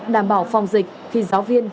đảm bảo phòng dịch khi giáo viên